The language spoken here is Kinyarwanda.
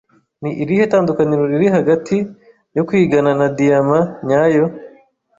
Ni irihe tandukaniro riri hagati yo kwigana na diyama nyayo?